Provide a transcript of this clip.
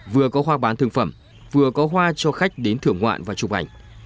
vừa có hoa bán thương phẩm vừa có hoa cho khách đến thưởng ngoạn và chụp ảnh